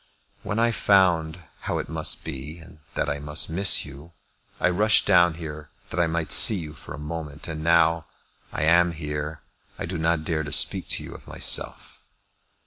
"When I found how it must be, and that I must miss you, I rushed down here that I might see you for a moment. And now I am here I do not dare to speak to you of myself."